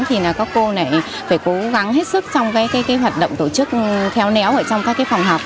thì là các cô này phải cố gắng hết sức trong hoạt động tổ chức khéo néo ở trong các phòng học